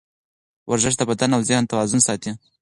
ورزش د بدن او ذهن توازن ساتي.